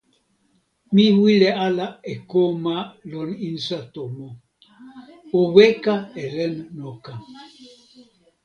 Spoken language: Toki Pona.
mi wile ala e ko ma lon insa tomo. o weka e len noka.